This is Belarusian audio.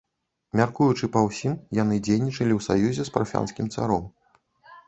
Мяркуючы па ўсім, яны дзейнічалі ў саюзе з парфянскім царом.